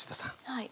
はい。